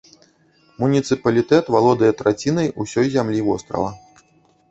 Муніцыпалітэт валодае трацінай усёй зямлі вострава.